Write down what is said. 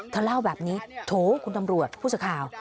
เธอเล่าแบบนี้โถคุณตำรวจผู้สื่อข่าว